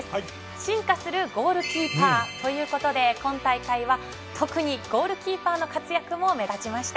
進化するゴールキーパーということで今大会は特にゴールキーパーの活躍も目立ちました。